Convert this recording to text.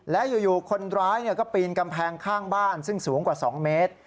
และอยู่คนร้ายก็ปีนกำแพงข้างบ้านซึ่งสูงกว่า๒เมตร